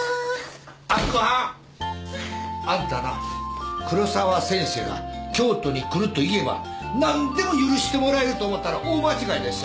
明子はん！あんたな黒沢先生が京都に来るといえば何でも許してもらえると思ったら大間違いでっせ。